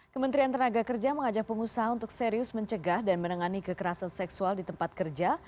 kementerian tenaga kerja mengajak pengusaha untuk serius mencegah dan menangani kekerasan seksual di tempat kerja